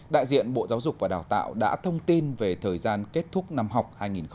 đại diện bộ giáo dục và đào tạo đã thông tin về thời gian kết thúc năm học hai nghìn hai mươi